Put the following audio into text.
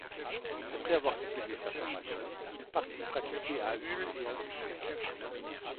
Après avoir complété sa formation, il partit pratiquer à Hull et à Lucerne.